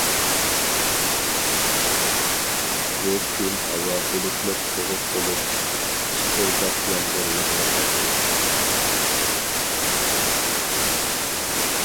بۇ كۈن ھاۋا بۇلۇتلۇق سوغۇق بولۇپ چىپىلداپ يامغۇر يېغىۋاتاتتى.